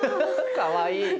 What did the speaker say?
かわいい。